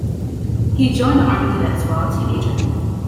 He joined the army cadets while a teenager.